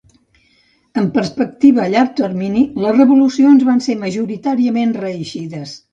En Perspectiva a llarg termini, les revolucions van ser majoritàriament reeixides.